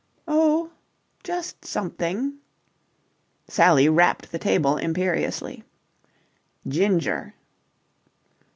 "Oh, just something." Sally rapped the table imperiously. "Ginger!"